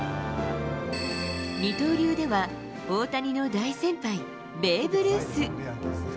二刀流では、大谷の大先輩、ベーブ・ルース。